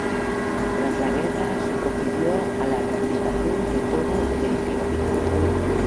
Tras la Guerra se procedió a la rehabilitación de todo el edificio.